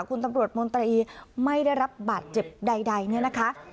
คุณตำรวจมนตรีไม่ได้รับบาดเจ็บใดเนี่ยนะคะ